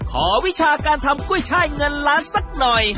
วิชาการทำกุ้ยช่ายเงินล้านสักหน่อย